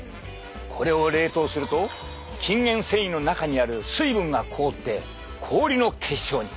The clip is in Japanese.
これを冷凍すると筋原線維の中にある水分が凍って氷の結晶に。